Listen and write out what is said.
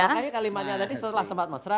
makanya kalimatnya tadi setelah sempat mesra